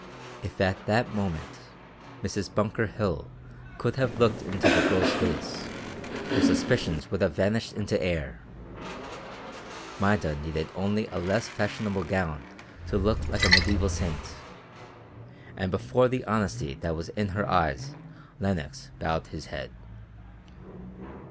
If at that moment Mrs. Bunker Hill could have looked into the girl's face, her suspicions would have vanished into air. Maida needed only a less fashionable gown to look like a mediæval saint; and before the honesty that was in her eyes Lenox bowed his head.